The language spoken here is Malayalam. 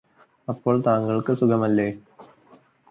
അപ്പോൾ താങ്കള്ക്ക് സുഖമല്ലേ